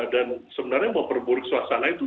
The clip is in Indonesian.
dan sebenarnya memperburuk suasana itu